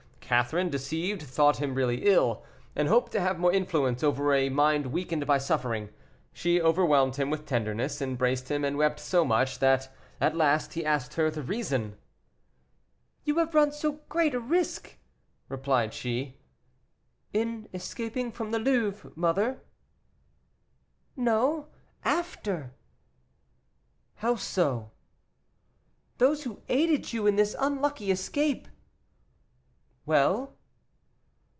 Catherine, deceived, thought him really ill, and hoped to have more influence over a mind weakened by suffering. She overwhelmed him with tenderness, embraced him, and wept so much that at last he asked her the reason. "You have run so great a risk," replied she. "In escaping from the Louvre, mother?" "No, after." "How so?" "Those who aided you in this unlucky escape " "Well?"